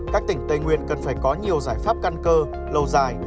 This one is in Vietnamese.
các tỉnh tây nguyên cần phải có nhiều giải pháp căn cơ lâu dài